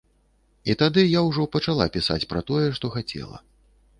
І тады я ўжо пачала пісаць пра тое, што хацела.